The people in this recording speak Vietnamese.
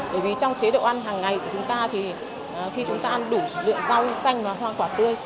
bởi vì trong chế độ ăn hàng ngày của chúng ta thì khi chúng ta ăn đủ lượng rau xanh và hoa quả tươi